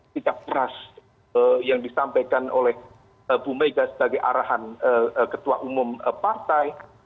sikap keras yang disampaikan oleh bu mega sebagai arahan ketua umum partai